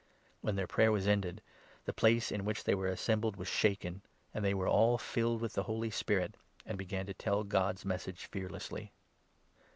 When their prayer was ended, the place in which they were 31 assembled was shaken ; and they were all filled with the Holy Spirit, and began to tell God's Message fearlessly.